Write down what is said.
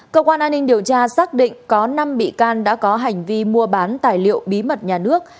cơ quan an ninh điều tra xác định có năm bị can đã có hành vi mua bán tài liệu bí mật nhà nước